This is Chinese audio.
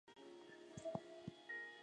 只要稍微注意新闻报导